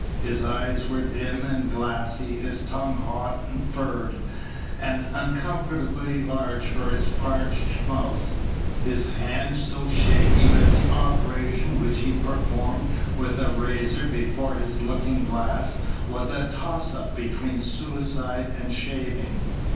His eyes were dim and glassy; his tongue hot and furred, and uncomfortably large for his parched mouth; his hand so shaky that the operation which he performed with a razor before his looking glass was a toss up between suicide and shaving.